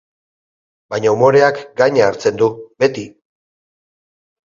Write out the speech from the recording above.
Baina umoreak gaina hartzen du, beti!